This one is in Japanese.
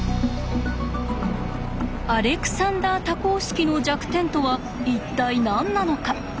アレクサンダー多項式の弱点とは一体何なのか？